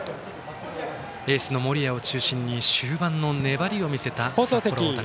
エースの森谷を中心に終盤の粘りを見せた札幌大谷。